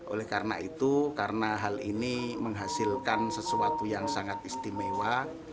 oleh karena itu karena hal ini menghasilkan sesuatu yang sangat istimewa